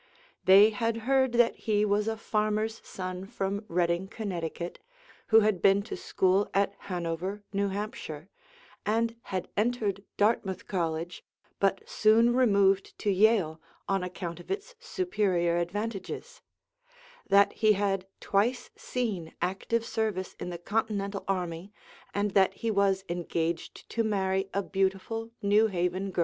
They had heard that he was a farmer's son from Redding, Connecticut, who had been to school at Hanover, New Hampshire, and had entered Dartmouth College, but soon removed to Yale on account of its superior advantages; that he had twice seen active service in the Continental army, and that he was engaged to marry a beautiful New Haven girl.